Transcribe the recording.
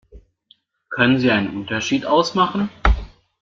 Können Sie einen Unterschied ausmachen?